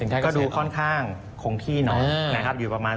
ก็ดูค่อนข้างคงที่หน่อยนะครับอยู่ประมาณ